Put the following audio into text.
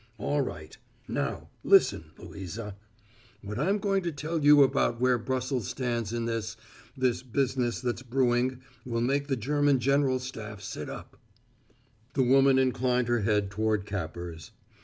All right. Now, listen, Louisa. What I'm going to tell you about where Brussells stands in this this business that's brewing will make the German general staff sit up." The woman inclined her head toward Capper's.